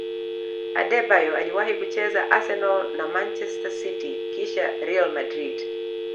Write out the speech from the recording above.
adebayor aliwahi kucheza arsenal na manchester city kisha real madrid